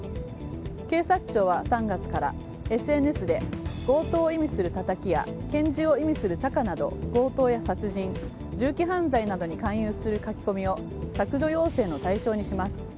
警察庁は３月からＳＮＳで強盗を意味するタタキや拳銃を意味するチャカなど強盗や殺人、銃器犯罪などに勧誘する書き込みを削除要請の対象にします。